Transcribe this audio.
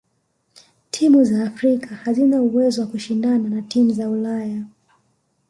timu za afrika hazina uwezo wa kushindana na timu za ulaya